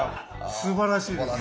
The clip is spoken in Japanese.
すばらしいです。